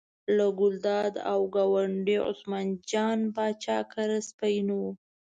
له ګلداد او ګاونډي عثمان جان پاچا کره سپی نه و.